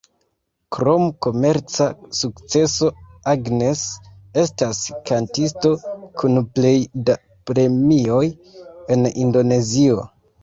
Krom komerca sukceso, Agnes estas kantisto kun plej da premioj en Indonezio.